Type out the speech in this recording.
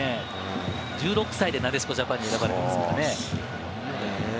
１６歳でなでしこジャパンに選ばれていますからね。